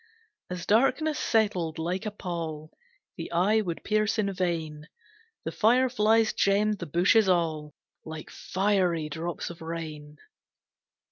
As darkness settled like a pall The eye would pierce in vain, The fireflies gemmed the bushes all, Like fiery drops of rain.